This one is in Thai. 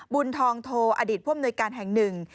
บุญทองโทอดีตผู้อำนวยการแห่งหนึ่ง